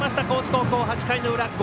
高知高校、８回の裏。